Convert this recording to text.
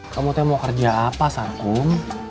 kamu tuh yang mau kerja apa sarkum